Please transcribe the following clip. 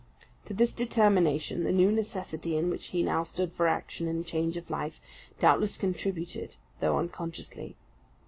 To this determination, the new necessity in which he now stood for action and change of life, doubtless contributed, though unconsciously.